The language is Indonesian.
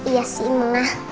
iya sih ma